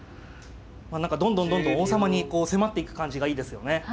何かどんどんどんどん王様にこう迫っていく感じがいいですよね。